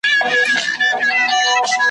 معلم وویل بزګر ته چي دا ولي `